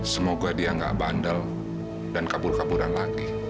semoga dia gak bandel dan kabur kaburan lagi